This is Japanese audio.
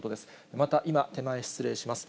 また今、手前失礼します。